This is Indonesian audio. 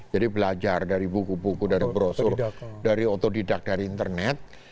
jadi belajar dari buku buku dari brosur dari otodidak dari internet